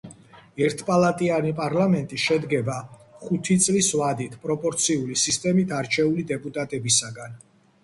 ერთპალატიანი პარლამენტი შედგება ხუთი წლის ვადით, პროპორციული სისტემით არჩეული დეპუტატებისაგან.